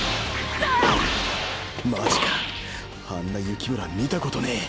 マジかあんな幸村見たことねえ。